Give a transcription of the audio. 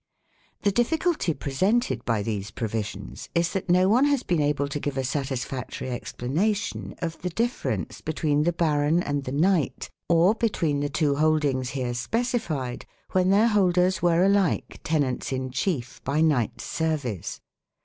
The difficulty presented by these provisions is that no one has been able to give a satisfactory explanation of the difference between the baron and the knight or between the two holdings here specified, when their holders were alike tenants in chief by knight service.